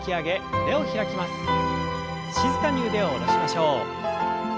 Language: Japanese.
静かに腕を下ろしましょう。